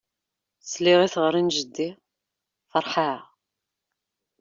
Sliɣ i teɣri n jeddi ferḥeɣ.